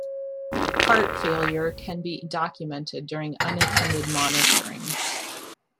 Part failure can be documented during unattended monitoring.